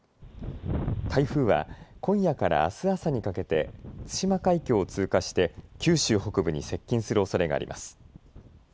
台風は今夜からあす朝にかけて対馬海峡を通過して九州北部に接近するおそれがあります。